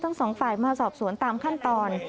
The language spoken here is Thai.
ทั้งสองฝ่ายมาสอบสวนตามขั้นตอน